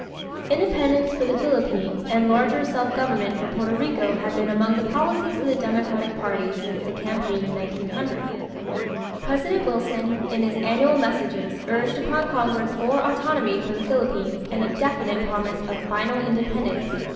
= Independence for the Philippines and larger self government for Porto Rico had been among the policies of the Democratic party since the campaign of 1900. President Wilson in his annual messages urged upon Congress more autonomy for the Filipinos and a definite promise of final independence.